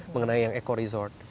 mengenai yang eco resort